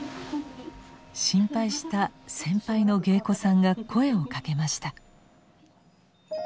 心配した先輩の芸妓さんが声を掛けました。